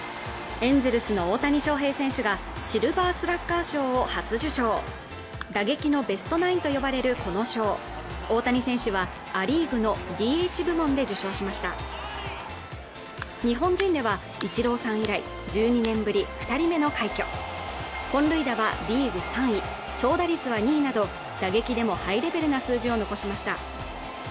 エンゼルスの大谷翔平選手がシルバースラッガー賞を初受賞打撃のベストナインと呼ばれるこの賞大谷選手はア・リーグのＤＨ部門で受賞しました日本人ではイチローさん以来１２年ぶり二人目の快挙本塁打はリーグ３位長打率は２位など打撃でもハイレベルな数字を残しました